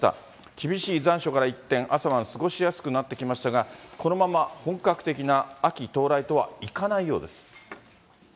厳しい残暑から一転、朝晩過ごしやすくなってきましたが、このまま本格的な秋到来とはいかないようです。